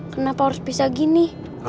kenapa harus bisa gini